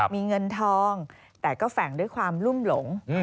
มีเงินทองแต่ก็แฝงด้วยความรุ่มหลง